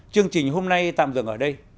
chương trình hôm nay tạm dừng ở đây